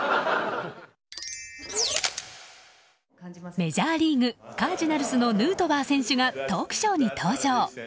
メジャーリーグカージナルスのヌートバー選手がトークショーに登場。